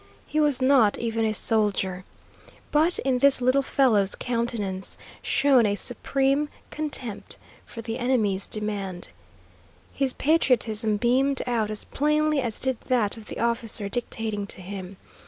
He was not even a soldier. But in this little fellow's countenance shone a supreme contempt for the enemy's demand. His patriotism beamed out as plainly as did that of the officer dictating to him.